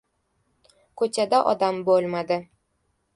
ko‘chada odam bo‘lmadi.